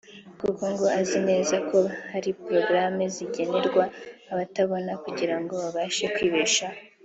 kuko ngo azi neza ko hari porogaramu zigenerwa abatabona kugirango babashe kwibeshaho